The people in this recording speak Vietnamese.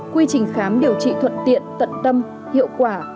quy trình khám điều trị thuận tiện tận tâm hiệu quả